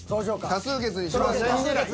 多数決にしますか？